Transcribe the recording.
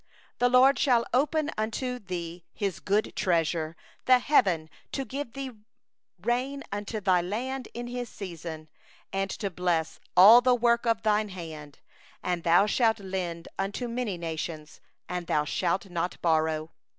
12The LORD will open unto thee His good treasure the heaven to give the rain of thy land in its season, and to bless all the work of thy hand; and thou shalt lend unto many nations, but thou shalt not borrow.